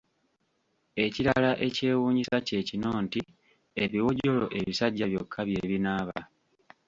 Ekirala ekyewuunyisa kye kino nti ebiwojjolo ebisajja byokka bye binaaba.